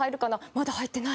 まだ入ってない」。